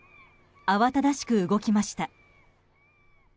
慌ただしく動きました。